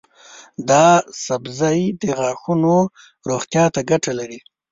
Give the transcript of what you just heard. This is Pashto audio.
دا سبزی د غاښونو روغتیا ته ګټه لري.